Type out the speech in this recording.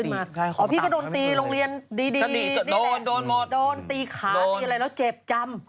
เอ่อพี่ก็โดนตี้โรงเรียนดีโดนตีขาแล้วเจ็บจำ